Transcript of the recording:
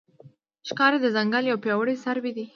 ښکاري د ځنګل یو پیاوړی څاروی دی.